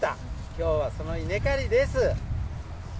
きょうはその稲刈りです。